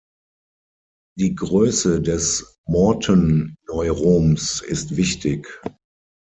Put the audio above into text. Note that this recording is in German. Die Größe des Morton-Neuroms ist wichtig.